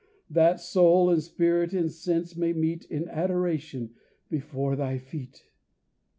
That soul and spirit and sense may meet In adoration before Thy feet!